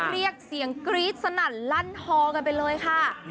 เรียกเสียงกรี๊ดสนั่นลั่นฮอกันไปเลยค่ะ